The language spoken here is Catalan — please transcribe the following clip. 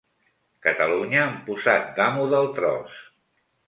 Catalunya amb posat d'amo del tros.